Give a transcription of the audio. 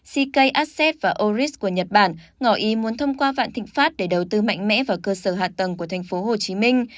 ckc và oris của nhật bản ngỏ ý muốn thông qua vạn thịnh pháp để đầu tư mạnh mẽ vào cơ sở hạ tầng của thành phố hồ chí minh